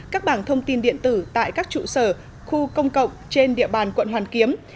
các bảng thông tin điện tử tại các trụ sở khu công cộng trên địa bàn quận hoàn kiếm